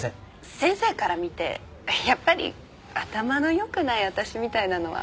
先生から見てやっぱり頭の良くない私みたいなのは論外ですか？